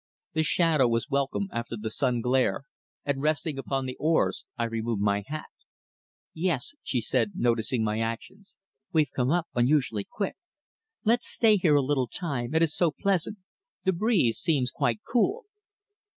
The shadow was welcome after the sun glare, and resting upon the oars I removed my hat. "Yes," she said, noticing my actions, "we've come up unusually quick. Let's stay here a little time, it is so pleasant. The breeze seems quite cool."